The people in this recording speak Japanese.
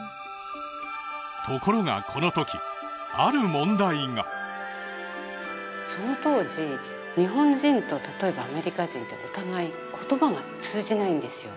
ところがこのときある問題がその当時日本人と例えばアメリカ人ってお互い言葉が通じないんですよ